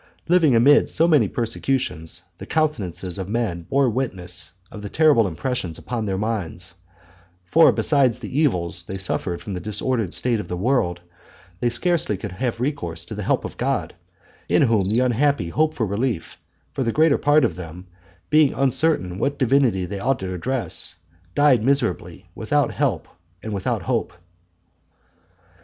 Living amid so many persecutions, the countenances of men bore witness of the terrible impressions upon their minds; for besides the evils they suffered from the disordered state of the world, they scarcely could have recourse to the help of God, in whom the unhappy hope for relief; for the greater part of them, being uncertain what divinity they ought to address, died miserably, without help and without hope.